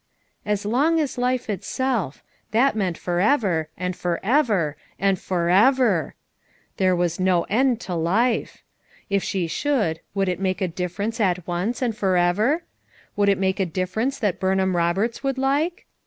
'* "As long as life itself,'' that meant forever, and forever and FOREVER I there was no end to life. If she should, would it make a differ FOUE MOTHERS AT CHAUTAUQUA 223 ence at once and forever? Would it make a difference that Burnham Eoberts would like?